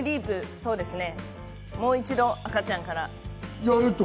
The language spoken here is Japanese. そうですね、もう一度赤ちゃんから。